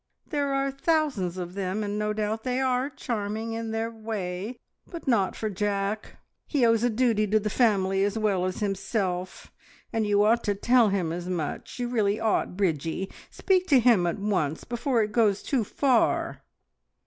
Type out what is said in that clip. "There are thousands of them, and no doubt they are charming in their way, but not for Jack. He owes a duty to the family as well as himself, and you ought to tell him as much. You really ought, Bridgie! Speak to him at once, before it goes too far!"